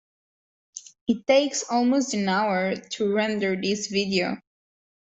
It takes almost an hour to render this video.